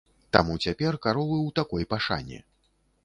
Таму цяпер каровы ў такой пашане.